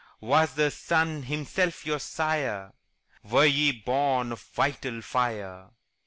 Was the sun himself your sire? Were ye born of vital fire?